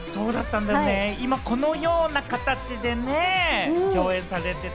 今このような形でね、共演されてて。